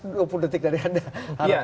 dua puluh detik dari anda